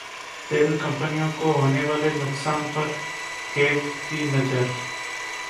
तेल कंपनियों को होने वाले नुकसान पर कैग की नजर